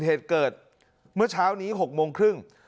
เหตุเกิดเมื่อเช้านี้๖โมงครึ่ง